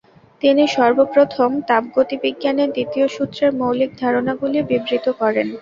তিনি সর্বপ্রথম তাপগতিবিজ্ঞানের দ্বিতীয় সূত্রের মৌলিক ধারণাগুলি বিবৃত করেন।